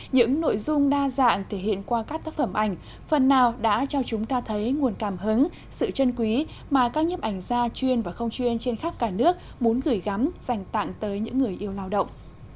những nội dung đa dạng thể hiện qua các tác phẩm ảnh phần nào đã cho chúng ta thấy nguồn cảm hứng sự chân quý mà các nhếp ảnh gia chuyên và không chuyên trên khắp cả nước muốn gửi gắm dành tặng tới những người yêu lao động